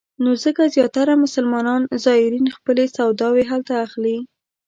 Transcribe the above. نو ځکه زیاتره مسلمان زایرین خپلې سوداوې هلته اخلي.